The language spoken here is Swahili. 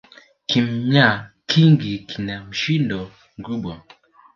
Kimya kingi kina mshindo mkubwa